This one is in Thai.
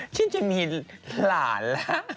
ฉันจะมีหลานแล้ว